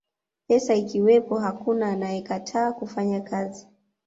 pesa ikiwepo hakuna anayekataa kufanya kazi